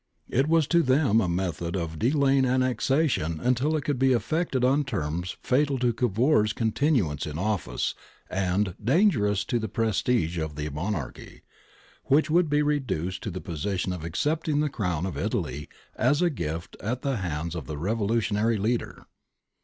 It was to them a method of delaying annexation until it could be effected on terms fatal to Cavour's continuance in office and dangerous to the prestige of the monarchy, which would be reduced to the position of accepting the crown of Italy as a gift at the hands of the revolutionary leader.